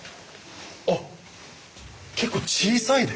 あっ結構小さいですね。